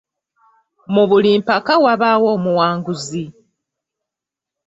Mu buli mpaka wabaawo omuwanguzi.